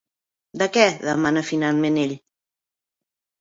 De què? —demana finalment ell.